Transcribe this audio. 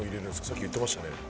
「さっき言ってましたね」